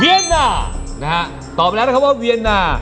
เวียนนาตอบแล้วนะครับว่าเวียนนา